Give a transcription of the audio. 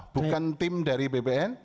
bukan tim dari bpn